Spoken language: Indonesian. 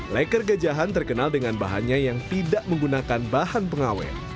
leker gajahan terkenal dengan bahannya yang tidak menggunakan bahan pengawet